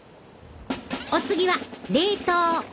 お次は冷凍。